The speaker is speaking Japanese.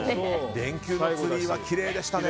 電球のツリー、きれいでしたね。